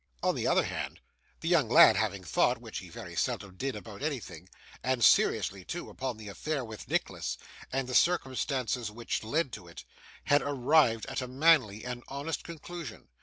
On the other hand, the young lord having thought which he very seldom did about anything and seriously too, upon the affair with Nicholas, and the circumstances which led to it, had arrived at a manly and honest conclusion.